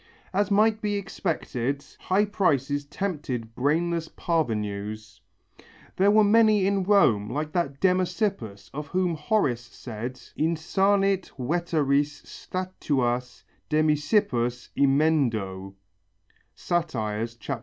As might be expected, high prices tempted brainless parvenus. There were many in Rome like that Demasippus of whom Horace said, "Insanit veteres statuas Demasippus emendo" (_Sat.